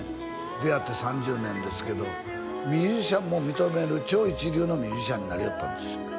出会って３０年ですけどミュージシャンも認める超一流のミュージシャンになりよったんですよ